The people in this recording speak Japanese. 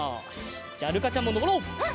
じゃあるかちゃんものぼろう！